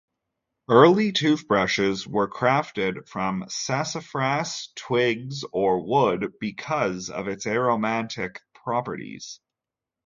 Early toothbrushes were crafted from sassafras twigs or wood because of its aromatic properties.